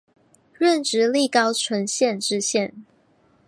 任直隶高淳县知县。